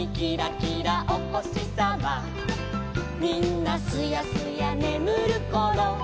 「みんなすやすやねむるころ」